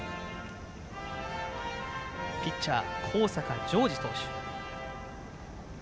ピッチャー、高坂丈慈投手。